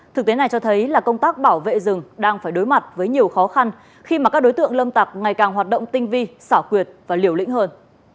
thực tế này cho thấy là công tác bảo vệ rừng đang phải đối mặt với nhiều khó khăn khi mà các đối tượng lâm tặc ngày càng hoạt động tinh vi xảo quyệt và liều lĩnh hơn